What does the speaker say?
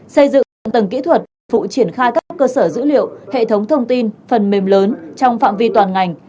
xây dựng hạ tầng kỹ thuật phục triển khai các cơ sở dữ liệu hệ thống thông tin phần mềm lớn trong phạm vi toàn ngành